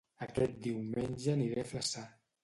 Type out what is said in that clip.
Aquest diumenge aniré a Flaçà